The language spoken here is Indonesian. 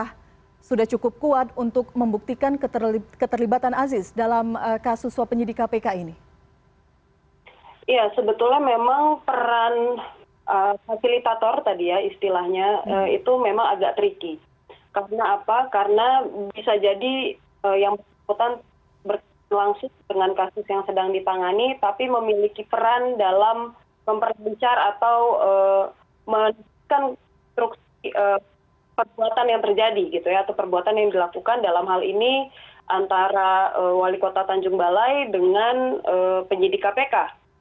tapi memiliki peran dalam memperbincar atau menelitikan konstruksi perbuatan yang terjadi atau perbuatan yang dilakukan dalam hal ini antara wali kota tanjung balai dengan penyidik kpk